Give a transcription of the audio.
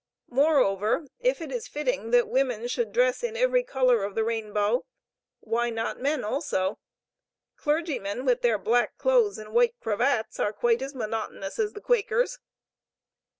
Moreover, if it is fitting that woman should dress in every color of the rainbow, why not man also? Clergymen, with their black clothes and white cravats, are quite as monotonous as the Quakers."